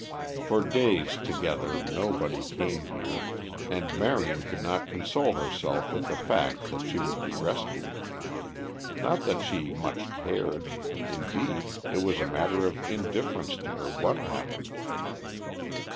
For days together nobody came here and Marion could not console herself with the fact that she would be rescued. Not that she much cared; indeed, it was a matter of indifference to her what happened.